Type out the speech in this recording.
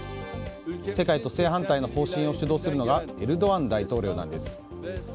世界と正反対の方針を主導するのがエルドアン大統領なんです。